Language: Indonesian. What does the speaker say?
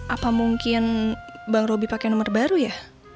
apa mungkin bang roby pakai nomor baru ya